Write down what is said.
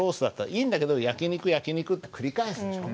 いいんだけど「焼肉焼肉」って繰り返すでしょ。